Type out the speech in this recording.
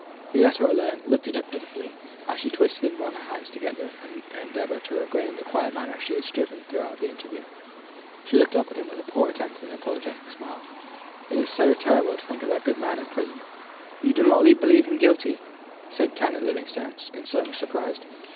He let her alone, looking at her pitifully, as she twisted and wrung her hands together in her endeavour to regain the quiet manner she had striven to maintain through the interview. She looked up at him with a poor attempt at an apologetic smile: "It is so terrible to think of that good old man in prison!" "You do not believe him guilty!" said Canon Livingstone, in some surprise.